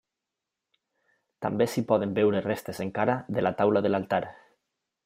També s'hi poden veure restes encara de la taula de l'altar.